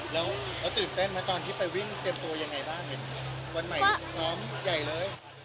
แล้วเขาตื่นเต้นไหมตอนที่ไปวิ่งเตรียมตัวยังไงบ้างเห็นวันใหม่ซ้อมใหญ่เลย